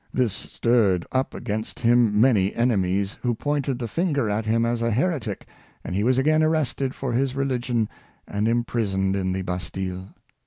This stirred up against him many enemies, who pointed the finger at him as a heretic, and he was again arrested for his religion and imprisoned in the Bastile.